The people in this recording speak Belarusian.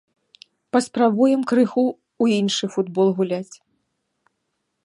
Паспрабуем крыху ў іншы футбол гуляць.